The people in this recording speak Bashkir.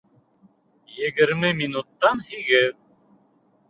Егерме минуттан һигеҙ